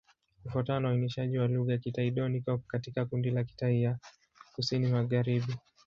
Kufuatana na uainishaji wa lugha, Kitai-Dón iko katika kundi la Kitai ya Kusini-Magharibi.